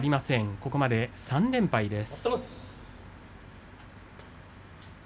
ここまで３連敗です。